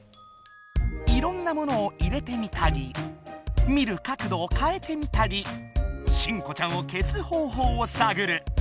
いろんなものを入れてみたり見る角どをかえてみたり新子ちゃんを消す方ほうをさぐる。